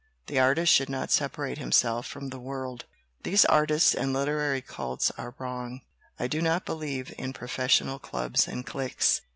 The artist should not separate himself from the world. "These artistic and literary cults are wrong. I do not believe in professional clubs and cliques.